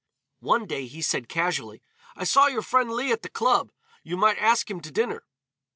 One day he said casually, "I saw your friend Leigh at the club. You might ask him to dinner."